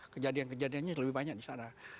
kejadian kejadian yang lebih banyak disana